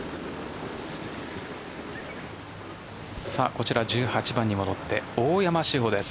こちら１８番に戻って大山志保です。